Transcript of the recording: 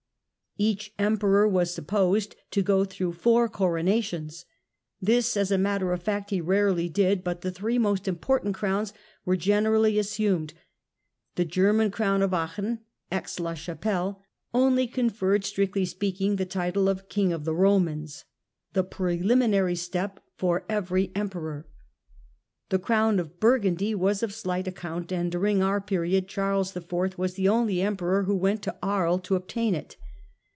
Each Emperor was supposed to go through four The four coronations. This, as a matter of fact, he rarely did, ^™^™'^ but the three most important crowns were generally as sumed. The German crown of Aachen (Aix la Chapelle) only conferred strictly speaking the title of King of the Eomans, the preliminary step for every Emperor. The crown of Burgundy was of slight account and during our period Charles IV. was the only Emperor who went to Aries to obtain it.